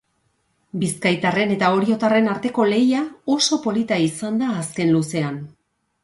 Bizkaitarren eta oriotarren arteko lehia oso polita izan da azken luzean.